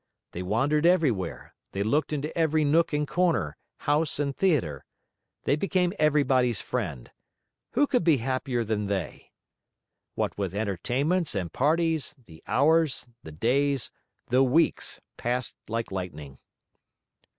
They wandered everywhere, they looked into every nook and corner, house and theater. They became everybody's friend. Who could be happier than they? What with entertainments and parties, the hours, the days, the weeks passed like lightning.